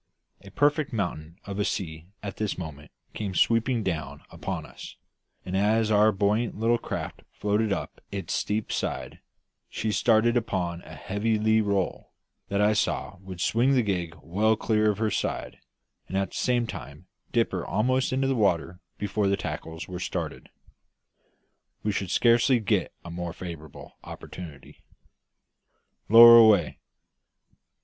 A perfect mountain of a sea at this moment came sweeping down upon us, and as our buoyant little craft floated up its steep side, she started upon a heavy lee roll, that I saw would swing the gig well clear of her side, and at the same time dip her almost into the water before the tackles were started. We should scarcely get a more favourable opportunity. "Lower away."